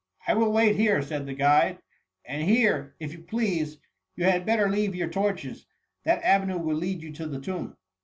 " I will wait here,"" said the guide ;" and here, if you please, you had better leave your torches. That avenue will lead you to the tomb.''